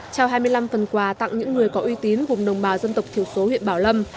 trao hai mươi năm phần quà tặng những người có uy tín vùng đồng bào dân tộc thiểu số huyện bảo lâm